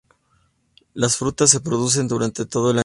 Las frutas se producen durante todo el año.